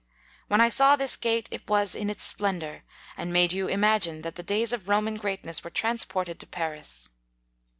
When I saw this gate, it was in its splendour, and made you imagine that the days of Roman greatness were transported to Paris.